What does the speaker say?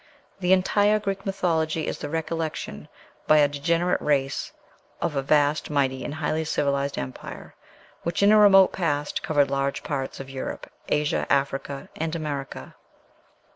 The entire Greek mythology is the recollection, by a degenerate race, of a vast, mighty, and highly civilized empire, which in a remote past covered large parts of Europe, Asia, Africa, and America.